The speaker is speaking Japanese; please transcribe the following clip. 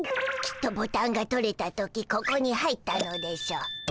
きっとボタンが取れた時ここに入ったのでしょう。